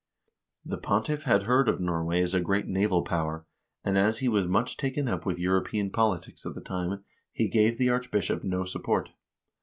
The Pontiff had heard of Nor way as a great naval power, and as he was much taken up with European politics at the time, he gave the archbishop no support.